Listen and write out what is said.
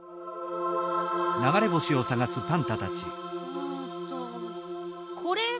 うんとこれかな？